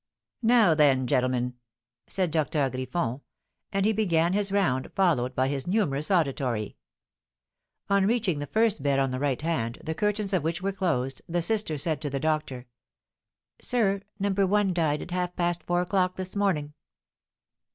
"Now, then, gentlemen," said Doctor Griffon; and he began his round, followed by his numerous auditory. On reaching the first bed on the right hand, the curtains of which were closed, the sister said to the doctor: "Sir, No. 1 died at half past four o'clock this morning."